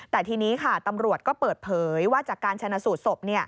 แต่ทีนี้ค่ะตำรวจก็เปิดเผยว่าจากการชนะสูตรศพ